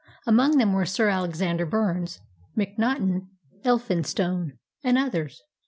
Among them were Sir Alex ander Burnes, Macnaughten, Elphinstone, and others.